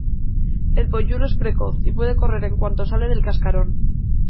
El polluelo es precoz y puede correr en cuanto sale del cascarón.